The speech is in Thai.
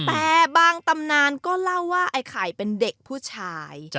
แต่บางตำนานก็เล่าว่าไอ้ไข่เป็นเด็กผู้ชาย